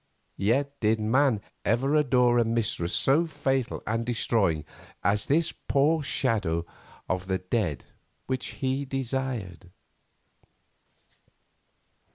Yet did man ever adore a mistress so fatal and destroying as this poor shadow of the dead which he desired?